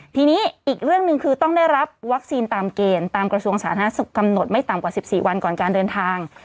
ทีนี้อีกเรื่องหนึ่งคือต้องได้รับวัคซีนตามเกณฑ์ตามกระทรวงสาธารณสุขกำหนดไม่ต่ำกว่า๑๔วันก่อนการเดินทาง